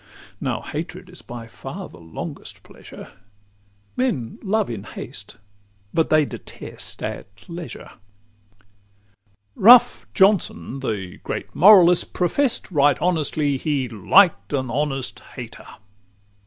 Now hatred is by far the longest pleasure; Men love in haste, but they detest at leisure. VII Rough Johnson, the great moralist, profess'd, Right honestly, "he liked an honest hater!"